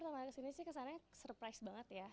soalnya pertama kali kesini sih kesannya surprise banget ya